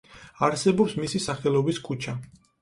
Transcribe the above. არსებობს მისი სახელობის ქუჩა.